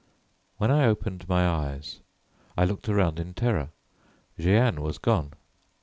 When I opened my eyes, I looked around in terror. Jeanne was gone.